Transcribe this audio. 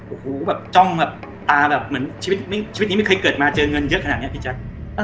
โอ้โหแบบจ้องแบบตาแบบเหมือนชีวิตนี้ไม่เคยเกิดมาเจอเงินเยอะขนาดนี้พี่แจ๊ค